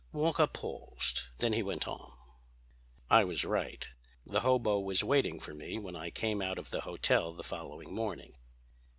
Walker paused. Then he went on: "I was right. The hobo was waiting for me when I came out of the hotel the following morning.